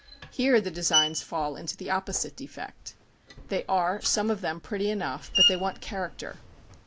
Here the designs fall into the opposite defect. They are, some of them, pretty enough, but they want character.